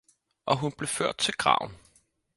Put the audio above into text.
Og hun blev ført til graven.